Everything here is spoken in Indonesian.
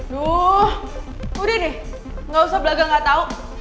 duh udah deh gak usah belagang gak tau